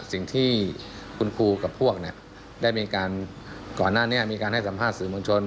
สิ่งที่คุณครูกับพวกได้มีการก่อนหน้านี้มีการให้สัมภาษณ์สื่อมวลชน